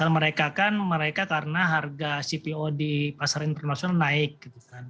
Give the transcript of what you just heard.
alasan mereka kan mereka karena harga cpo di pasar internasional naik